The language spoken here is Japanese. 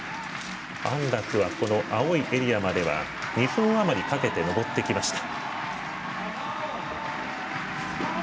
安楽は青いエリアまでは２分あまりかけて登ってきました。